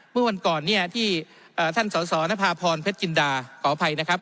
เมื่อวันก่อนเนี่ยที่ท่านสสนภาพรเพชรจินดาขออภัยนะครับ